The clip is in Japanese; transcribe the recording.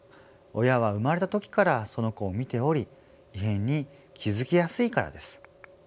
親は生まれた時からその子を見ており異変に気付きやすいからです。